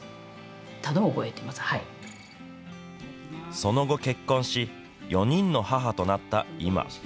その後、結婚し、４人の母となった今。